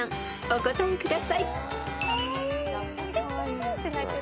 お答えください］